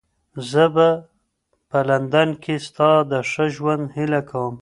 زه به په لندن کې ستا د ښه ژوند هیله کوم.